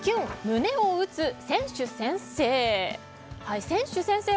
胸を打つ選手宣誓。